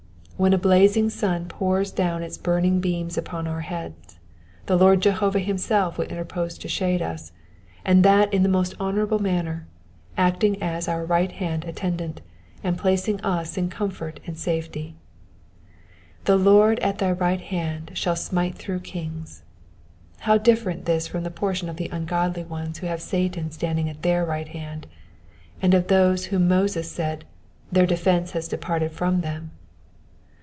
When a blazing sun pours down its burning beams upon our heads the Lord Jehovah himself will interpose to shade us, and that in the most honourable manner, acting as our li^ht hand attendant, and placing us in comfort and safety. *' The Lord at thy right hand shall smite through kings." How different this from the portion of the ungodly ones who have Satan standing at their right hand, and of those of whom Moses said, '* their defence has departed from them."